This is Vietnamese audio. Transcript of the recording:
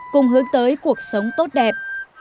cùng hướng tới cuộc sống tốt đẹp